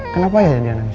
kenapa ya dia nangis